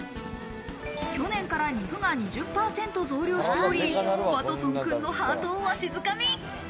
去年から肉が２０％増量しており、ワトソンくんのハートをわしづかみ。